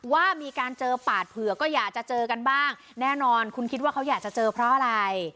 ว่ามีการเจอปาดเผื่อก็อยากจะเจอกันบ้างแน่นอนคุณคิดว่าเขาอยากจะเจอเพราะอะไร